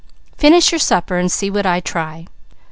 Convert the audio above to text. "Finish your supper, and see what I try."